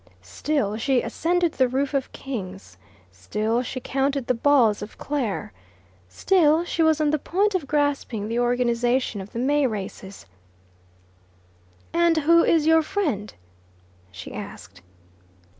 Still she ascended the roof of King's, still she counted the balls of Clare, still she was on the point of grasping the organization of the May races. "And who is your friend?" she asked.